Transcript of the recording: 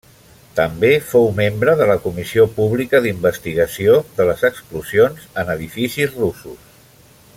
També fou membre de la comissió pública d'investigació de les explosions en edificis russos.